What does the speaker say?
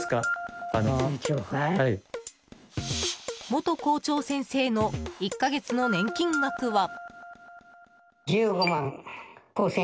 元校長先生の１か月の年金額は。